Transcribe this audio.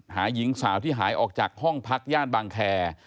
หญิงสาวที่หายออกจากห้องพักย่านบางแคร์